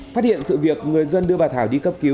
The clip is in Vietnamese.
phát hiện sự việc người dân đưa bà thảo đi cấp cứu